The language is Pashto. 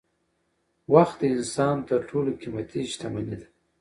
وخت د انسان تر ټولو قیمتي شتمني ده